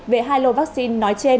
về hai lô vaccine nói trên